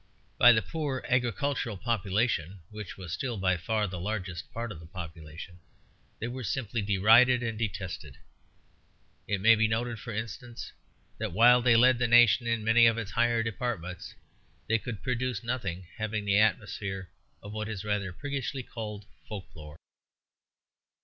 By the poor agricultural population, which was still by far the largest part of the population, they were simply derided and detested. It may be noted, for instance, that, while they led the nation in many of its higher departments, they could produce nothing having the atmosphere of what is rather priggishly called folklore.